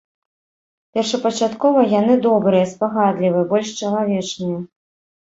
Першапачаткова яны добрыя, спагадлівыя, больш чалавечныя.